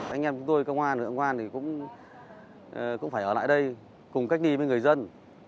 anh em của tôi công an thì cũng phải ở lại đây cùng cách ly với người dân